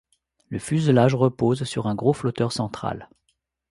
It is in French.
Le fuselage repose sur un gros flotteur central.